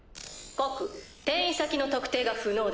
告転移先の特定が不能です。